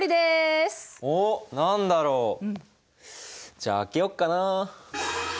じゃあ開けよっかなあ。